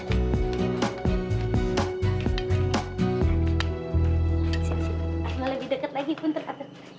asma lebih dekat lagi pun teratur